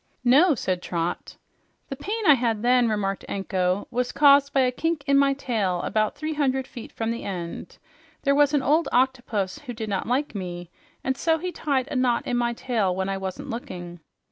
"No," said Trot. "The pain I had then," remarked Anko, "was caused by a kink in my tail about three hundred feet from the end. There was an old octopus who did not like me, and so he tied a knot in my tail when I wasn't looking."